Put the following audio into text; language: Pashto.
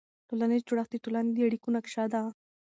ټولنیز جوړښت د ټولنې د اړیکو نقشه ده.